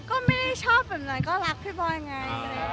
ก็ไม่ได้ชอบแบบนั้นก็รักพี่บอยไง